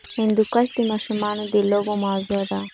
هندوکش د ماشومانو د لوبو موضوع ده.